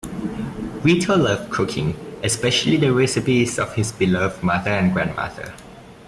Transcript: Vito loved cooking, especially the recipes of his beloved mother and grandmother.